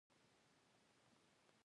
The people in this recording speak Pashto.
غریب ته صدقه خوښي ده